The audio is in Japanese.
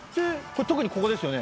特にここですよね。